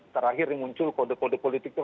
terakhir yang muncul kode kode politik